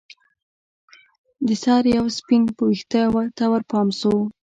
د سر یوه سپین ویښته ته ورپام شو